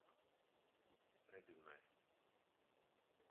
Предивна је.